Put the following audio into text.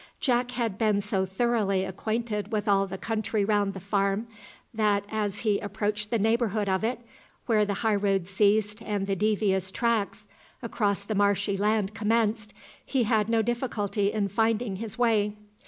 Jack had been so thoroughly acquainted with all the country round the farm, that as he approached the neighbourhood of it, where the high road ceased and the devious tracks across the marshy land commenced, he had no difficulty in finding his way.